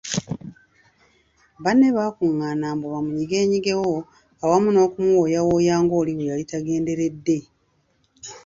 Banne bakungaana mbu bamunyigenyigewo awamu n’okumuwooyawooya nga oli bwe yali tagenderedde.